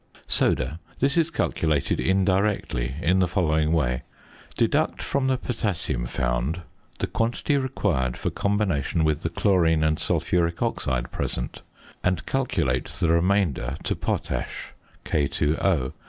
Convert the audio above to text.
~Soda.~ This is calculated indirectly in the following way: Deduct from the potassium found the quantity required for combination with the chlorine and sulphuric oxide present, and calculate the remainder to potash (K_O).